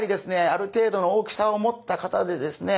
ある程度の大きさを持った方でですね。